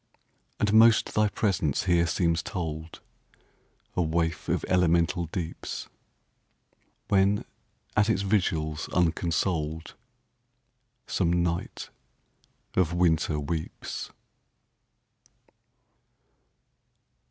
And most thy presence here seems told,A waif of elemental deeps, When, at its vigils unconsoled, Some night of winter weeps.